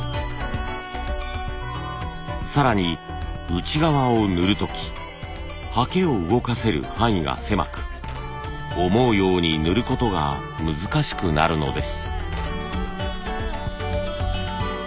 更に内側を塗る時はけを動かせる範囲が狭く思うように塗ることが難しくなるのです。